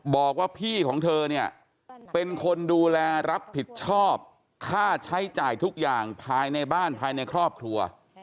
บอกว่าพี่ของเธอเนี่ยเป็นคนดูแลรับผิดชอบค่าใช้จ่ายทุกอย่างภายในบ้านภายในครอบครัว